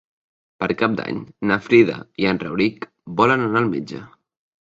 Per Cap d'Any na Frida i en Rauric volen anar al metge.